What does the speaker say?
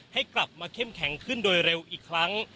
ให้กลับมาเข้มแข็งขึ้นโดยเร็วอีกครั้ง